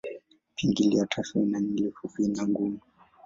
Pingili ya tatu ina nywele fupi na ngumu.